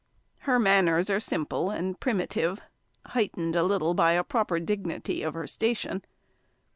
Her manners are simple and primitive, heightened a little by a proper dignity of station.